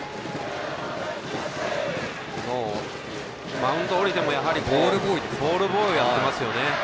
マウンドを降りてもボールボーイやってますね。